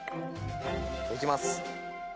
いきます。